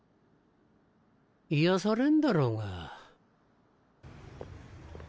癒やされんだろうが。